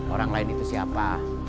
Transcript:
orang lain itu siapa